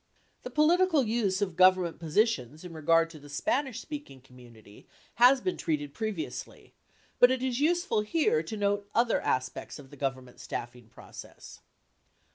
5 The political use of Government posi tions in regard to the Spanish speaking community has been treated previously, but it is useful here to note other aspects of the Govern ment staffing process.